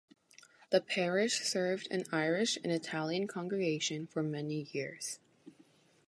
The Parish served an Irish and Italian congregation for many years.